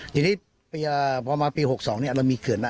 จริงพอมาปี๑๙๖๒นี่เรามีเกิด